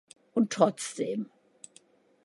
Und trotzdem!